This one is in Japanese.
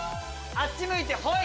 あっち向いてホイ。